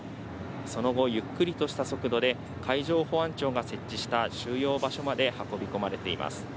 その後、ゆっくりとした速度で海上保安庁が設置した収容場所まで運び込まれています。